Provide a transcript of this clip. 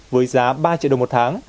với giá ba triệu đồng một tháng